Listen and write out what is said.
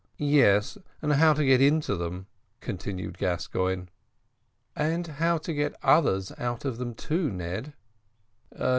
"Yes, and how to get into them," continued Gascoigne. "And how to get others out of them, too, Ned."